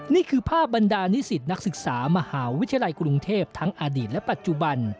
นี่คือภาพบรรดานิสิตนักศึกษามหาวิทยาลัยกรุงเทพทั้งอดีตและปัจจุบัน